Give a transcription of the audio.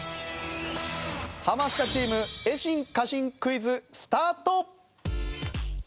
ハマスカチーム絵心歌心クイズスタート！